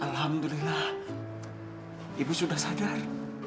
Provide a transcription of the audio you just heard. alhamdulillah ibu sudah sadar